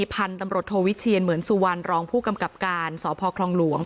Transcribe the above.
พันธบรรทวิทเชียณเหมือนส่ว่ารองผู้กำกรรปการสภครรวงศ์